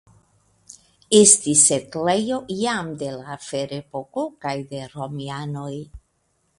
Estis setlejo jam de la Ferepoko kaj de romianoj.